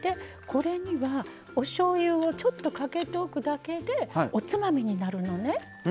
これには、おしょうゆをちょっとかけておくだけでおつまみになるのね。